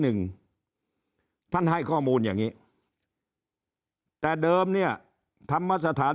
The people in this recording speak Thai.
หนึ่งท่านให้ข้อมูลอย่างนี้แต่เดิมเนี่ยธรรมสถาน